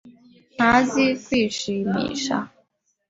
ntazi kwishimisha.